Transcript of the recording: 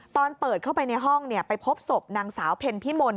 ตอนเปิดเข้าไปในห้องไปพบศพนางสาวเพ็ญพิมล